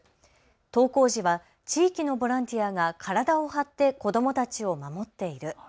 登校時は地域のボランティアが体を張って子どもたちを守っている。